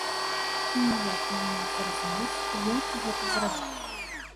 І ніяк не мог зразумець, як гэта зрабіць.